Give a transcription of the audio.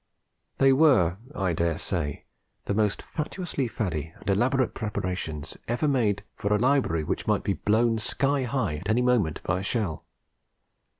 They were, I daresay, the most fatuously faddy and elaborate preparations ever made for a library which might be blown sky high at any moment by a shell.